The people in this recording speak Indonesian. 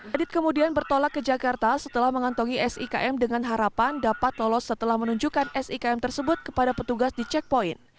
adit kemudian bertolak ke jakarta setelah mengantongi sikm dengan harapan dapat lolos setelah menunjukkan sikm tersebut kepada petugas di checkpoint